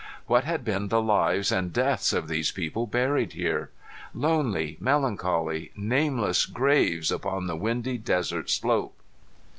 What had been the lives and deaths of these people buried here? Lonely, melancholy, nameless graves upon the windy desert slope!